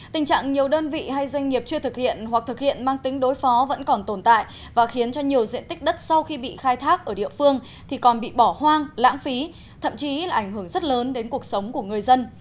tình trạng nhiều đơn vị hay doanh nghiệp chưa thực hiện hoặc thực hiện mang tính đối phó vẫn còn tồn tại và khiến cho nhiều diện tích đất sau khi bị khai thác ở địa phương thì còn bị bỏ hoang lãng phí thậm chí là ảnh hưởng rất lớn đến cuộc sống của người dân